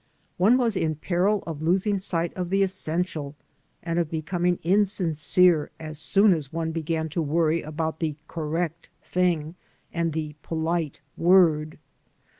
One was in peril of losing sight of the essential and of becoming insincere as soon as one began to worry about the correct thing and the polite word.